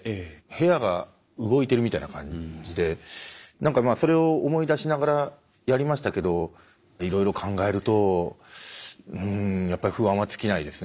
部屋が動いてるみたいな感じで何かそれを思い出しながらやりましたけどいろいろ考えるとうんやっぱり不安は尽きないですね。